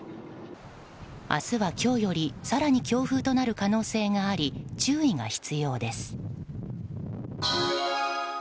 明日は今日より更に強風となる可能性があり注意が必要です。